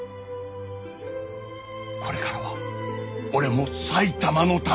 これからは俺も埼玉のために。